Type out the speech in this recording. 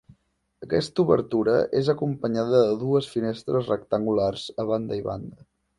Aquesta obertura és acompanyada de dues finestres rectangulars a banda i banda.